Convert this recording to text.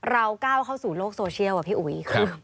ก้าวเข้าสู่โลกโซเชียลอะพี่อุ๋ย